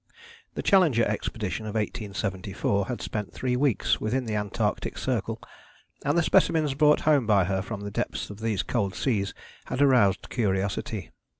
The Challenger Expedition of 1874 had spent three weeks within the Antarctic Circle, and the specimens brought home by her from the depths of these cold seas had aroused curiosity.